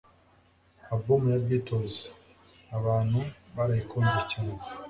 Album ya Beatles abantu barayikunze cyane